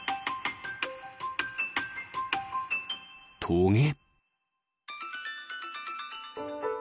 トゲ。